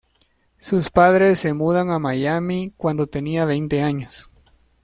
Sus padres se mudan a Miami cuando tenía veinte años.